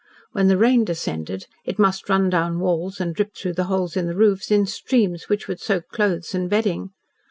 When the rain descended, it must run down walls and drip through the holes in the roofs in streams which would soak clothes and bedding.